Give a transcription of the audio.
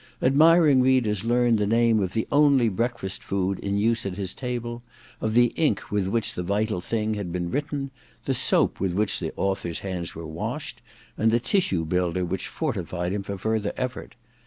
Admiring readers learned the name of the only breakfast food in use at his table, of the ink with which * The Vital Thing ' had been written, the soap with which the author's hands were washed, and the tissue builder which fortified him for further eflFort.